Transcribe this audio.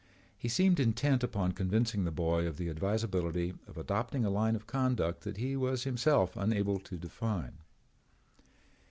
He seemed intent upon convincing the boy of the advisability of adopting a line of conduct that he was himself unable to define.